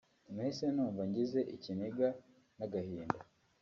“Nahise numva ngize ikiniga n’agahinda